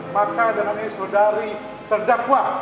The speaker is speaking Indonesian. maka dengan ini saudari terdakwa